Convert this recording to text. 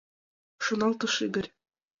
— Шоналтыш Игорь.